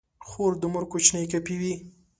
خور د مور کوچنۍ کاپي وي.